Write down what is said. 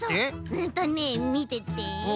うんとねみてて。